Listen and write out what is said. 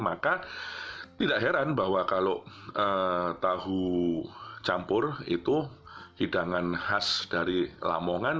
maka tidak heran bahwa kalau tahu campur itu hidangan khas dari lamongan